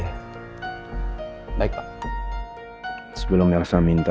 karena saya butuh itu untuk meeting saya nanti dengan dia